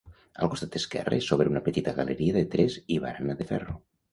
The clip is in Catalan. Al costat esquerre s'obre una petita galeria de tres i barana de ferro.